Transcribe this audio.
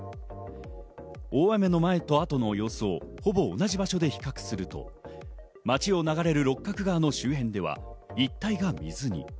大雨の前と後の様子をほぼ同じ場所で比較すると、町を流れる六角川の周辺では一帯が水に。